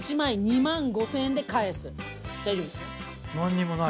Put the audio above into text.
大丈夫ですね？